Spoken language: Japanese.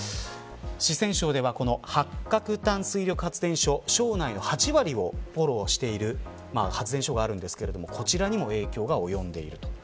四川省ではこの白鶴灘水力発電所省内の８割を補助している発電所があるんですけれどこちらにも影響が及んでいる。